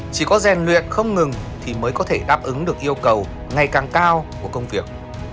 chỉ có rèn luyện không ngừng thì mới có thể đáp ứng được yêu cầu ngày càng cao của công việc